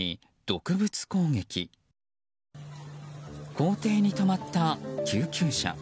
校庭に止まった救急車。